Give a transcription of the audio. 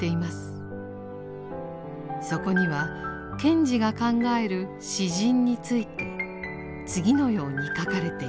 そこには賢治が考える詩人について次のように書かれていました。